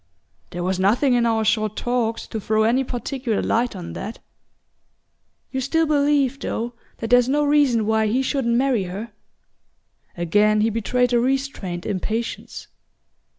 "There was nothing in our short talks to throw any particular light on that." "You still believe, though, that there's no reason why he shouldn't marry her?" Again he betrayed a restrained impatience.